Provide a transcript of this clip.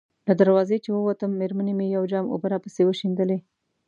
له دروازې چې ووتم، مېرمنې مې یو جام اوبه راپسې وشیندلې.